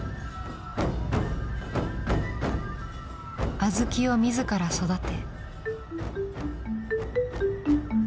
小豆を自ら育て。